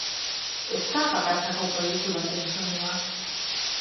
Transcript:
Ez da bakarkako proiektu baten soinua.